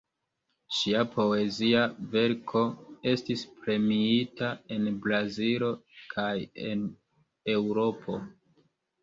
Ŝia poezia verko estis premiita en Brazilo kaj en Eŭropo.